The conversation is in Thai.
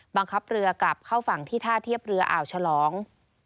บังคับเรือกลับเข้าฝั่งที่ท่าเทียบเรืออ่าวฉลอง